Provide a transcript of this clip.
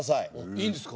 いいんですか？